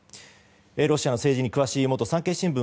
ロシアの政治に詳しい元産経新聞